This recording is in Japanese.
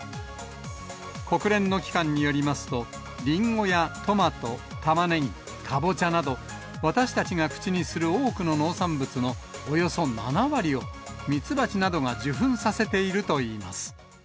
国連の機関によりますと、リンゴやトマト、タマネギ、カボチャなど、私たちが口にする多くの農産物のおよそ７割をミツバチなどが受粉させているといいます。